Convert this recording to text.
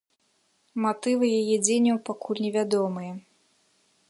Матывы яе дзеянняў пакуль невядомыя.